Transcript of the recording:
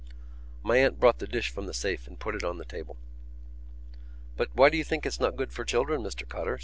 My aunt brought the dish from the safe and put it on the table. "But why do you think it's not good for children, Mr Cotter?"